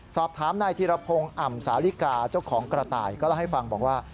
สอบถามนายธีรพงศ์อ่ำสาลิกาเจ้าของกระต่ายก็เล่าให้ฟังบอกว่า